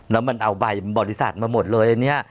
แล้วมันเอาใบบริษัทมาหมดเลยอันนี้